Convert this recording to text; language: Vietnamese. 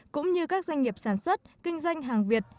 cũng như các doanh nghiệp sản xuất kinh doanh hàng việt